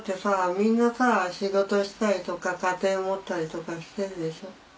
みんな仕事したりとか家庭持ったりとかしてるでしょ。